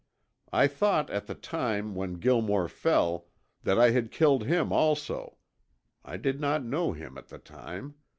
I thought at the time when Gilmore fell that I had killed him also (I did not know him at the time.